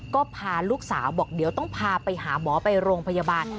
ก็พาลูกสาวบอกเดี๋ยวต้องพาไปหาหมอไปโรงพยาบาล